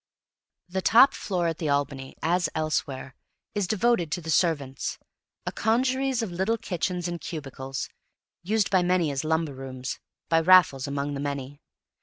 The top floor at the Albany, as elsewhere, is devoted to the servants a congeries of little kitchens and cubicles, used by many as lumber rooms by Raffles among the many.